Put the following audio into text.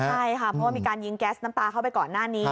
ใช่ค่ะเพราะว่ามีการยิงแก๊สน้ำตาเข้าไปก่อนหน้านี้